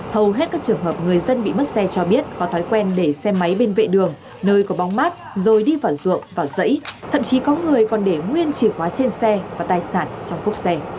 hầu hết các trường hợp người dân bị mất xe cho biết có thói quen để xe máy bên vệ đường nơi có bóng mát rồi đi vào ruộng vào dãy thậm chí có người còn để nguyên chìa khóa trên xe và tài sản trong cốc xe